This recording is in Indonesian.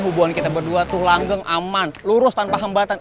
hubungan kita berdua tuh langgeng aman lurus tanpa hambatan